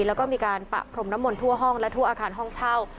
แล้วก็มีการปะพรมน้ำมนต์ทั่วห้องและทั่วอาคารห้องเช่า